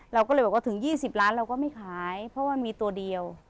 เราก็เลยบอกว่าถึง๒๐ล้านเราก็ไม่ขายเพราะว่ามีตัวเดียว